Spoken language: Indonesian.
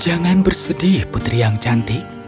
jangan bersedih putri yang cantik